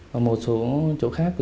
và một số chỗ khác